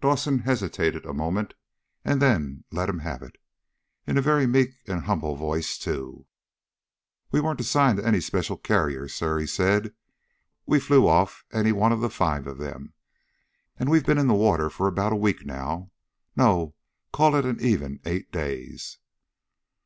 Dawson hesitated a moment, and then let him have it. In a very meek and humble voice, too. "We weren't assigned to any special carrier, sir," he said. "We flew off any one of the five of them. And we've been in the water for about a week now. No, call it an even eight days."